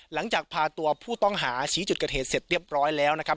หลังจากพาตัวผู้ต้องหาชี้จุดเกิดเหตุเสร็จเรียบร้อยแล้วนะครับ